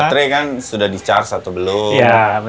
baterai kan sudah di charge atau belum